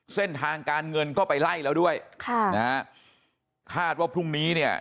เส้นทางการเงินเข้าไปไล่แล้วด้วยคาดว่าพรุ่งนี้เนี่ย